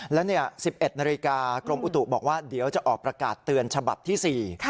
และ๑๑นาฬิกากรมอุตุบอกว่าเดี๋ยวจะออกประกาศเตือนฉบับที่๔